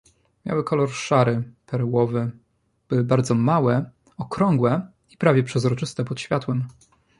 "Miały kolor szary, perłowy, były bardzo małe, okrągłe i prawie przezroczyste pod światłem."